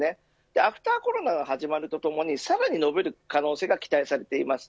アフターコロナが始まるとともにさらに伸びる可能性が期待されています。